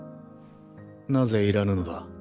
なぜいらぬのだ？